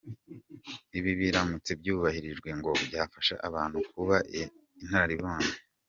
Ibi biramutse byubahirijwe, ngo byafasha abantu kuba inararibonye.